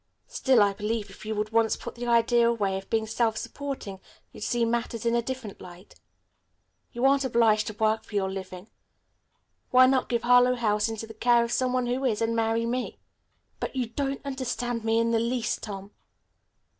Still I believe if you would once put the idea away of being self supporting you'd see matters in a different light. You aren't obliged to work for your living. Why not give Harlowe House into the care of some one who is, and marry me?" "But you don't understand me in the least, Tom."